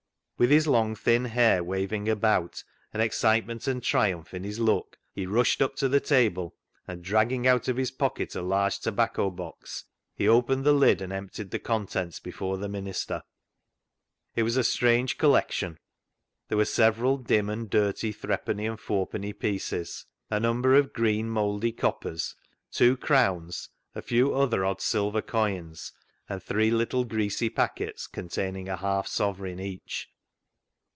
With his long, thin hair waving about, and excitement and triumph in his look, he rushed '•THE ZEAL OF THINE HOUSE" 325 up to the table, and dragging out of his pocket a large tobacco box, he opened the lid and emptied the contents before the minister. It was a strange collection. There were several dim and dirty threepenny and fourpenny pieces, a number of green mouldy coppers, two crowns, a few other odd silver coins, and three little greasy packets containing a half sovereign each.